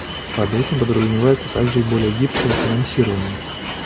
Под этим подразумевается также и более гибкое финансирование.